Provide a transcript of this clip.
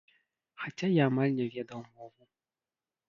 Хаця я амаль не ведаў мову.